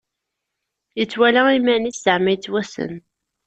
Ittwala iman-is zeɛma yettwassen.